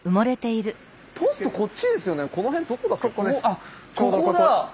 あここだ。